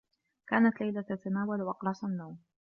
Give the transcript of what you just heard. كانت ليلى تتناول أقراص النّوم.